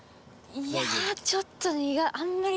いやちょっと苦。